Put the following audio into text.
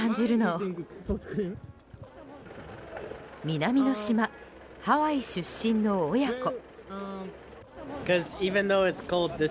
南の島、ハワイ出身の親子。